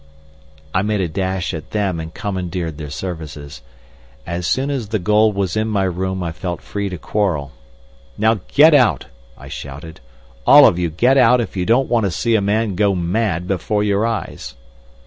I made a dash at them and commandeered their services. As soon as the gold was in my room I felt free to quarrel. "Now get out," I shouted; "all of you get out if you don't want to see a man go mad before your eyes!"